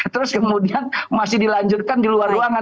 terus kemudian masih dilanjutkan di luar ruangan